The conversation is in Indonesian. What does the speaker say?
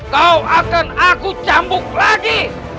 kau akan aku cambuk lagi